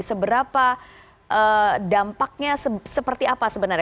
seberapa dampaknya seperti apa sebenarnya